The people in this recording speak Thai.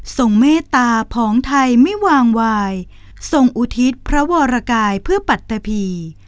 เมตตาผองไทยไม่วางวายทรงอุทิศพระวรกายเพื่อปัตตะพี